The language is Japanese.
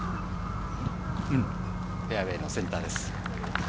フェアウエーのセンターです。